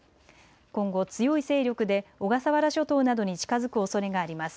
今後、強い勢力で小笠原諸島などに近づくおそれがあります。